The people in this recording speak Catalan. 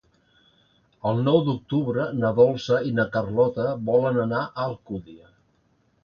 El nou d'octubre na Dolça i na Carlota volen anar a Alcúdia.